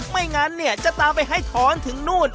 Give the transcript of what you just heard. ไม่งั้นเนี่ยจะตามไปให้ถอนถึงนู่น